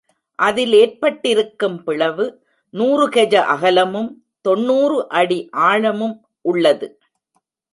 அதில் ஏற்பட்டிருக்கும் பிளவு நூறு கெஜ அகலமும் தொன்னூறு அடி ஆழமும் உள்ளது.